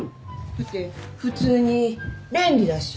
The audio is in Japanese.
だって普通に便利だし。